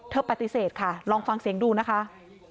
ปฏิเสธค่ะลองฟังเสียงดูนะคะ